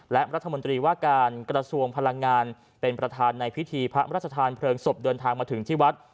และรัฐมนตรีว่าการกระทรวงพลังงานเป็นประธานในพิธีพระราชทานเพลิงศพเดินทางมาถึงที่วัด